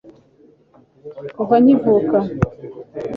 kuva nkivuka